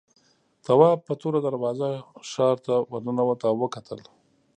تواب په توره دروازه ښار ته ورننوت او وکتل.